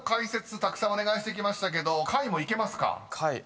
たくさんお願いしてきましたけど貝もいけますか？